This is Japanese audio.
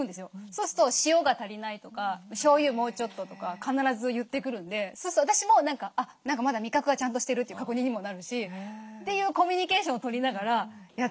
そうすると「塩が足りない」とか「しょうゆもうちょっと」とか必ず言ってくるんでそうすると私もまだ味覚はちゃんとしてるっていう確認にもなるしというコミュニケーションをとりながらやってますね。